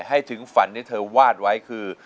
ให้ถึงฝันที่เธอวาดไว้คือ